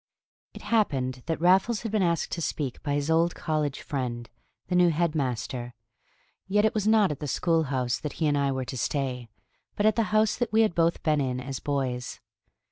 It happened that Raffles had been asked to speak by his old college friend, the new head master. Yet it was not at the school house that he and I were to stay, but at the house that we had both been in as boys.